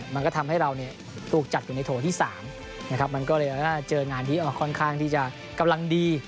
มันก็ทำให้เราถูกจัดอยู่ในโถที่๓นะครับมันก็เลยเจองานที่ค่อนข้างที่จะกำลังดี